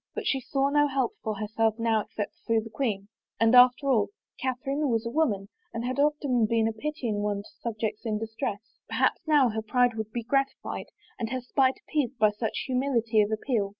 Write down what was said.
But she saw no help for herself now except through the queen, and after all 5 THE FAVOR OF KINGS Catherine was a woman and had often been a pitying one to subjects in distress. Perhaps now her pride would be gratified and her spite appeased by such humility of ap peal.